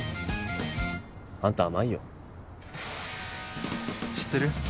あんた甘いよ知ってる？